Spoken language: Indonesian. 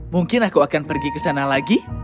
mungkin aku akan pergi ke sana lagi